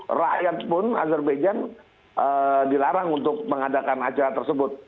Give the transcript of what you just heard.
tapi seluruh negara pun azerbaijan dilarang untuk mengadakan acara tersebut